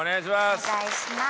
お願いします。